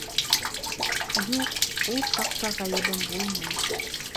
Юҡ, ул саҡта ғәйебем булманы.